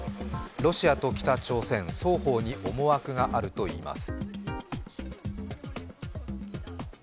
ロシアと北朝鮮、双方に思惑があるといいます。